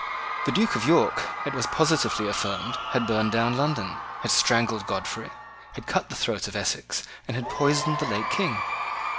The Duke of York, it was positively affirmed, had burned down London, had strangled Godfrey, had cut the throat of Essex, and had poisoned the late King.